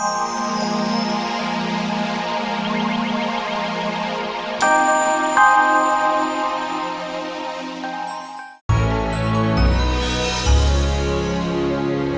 kamu tak bisa datang dengan satwa dan ulang diri